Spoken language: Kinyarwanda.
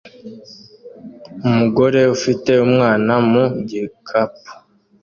Umugore ufite umwana mu gikapu